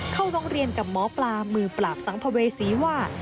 เข้าร้องเรียนกับหมอปลามือปราบสัมภเวษีว่า